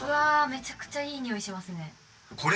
めちゃくちゃいいにおいしますね。